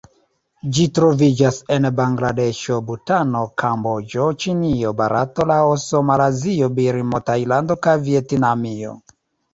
Ĝi troviĝas en Bangladeŝo, Butano, Kamboĝo, Ĉinio, Barato, Laoso, Malajzio, Birmo, Tajlando kaj Vjetnamio.